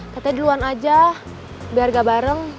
katanya duluan aja biar gak bareng